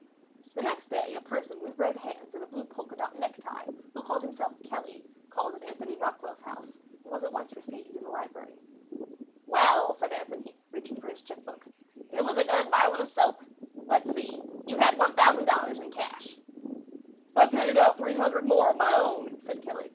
The next day a person with red hands and a blue polka dot necktie, who called himself Kelly, called at Anthony Rockwall's house, and was at once received in the library. "Well," said Anthony, reaching for his chequebook, "it was a good bilin' of soap. Let's see—you had $5,000 in cash." "I paid out $300 more of my own," said Kelly.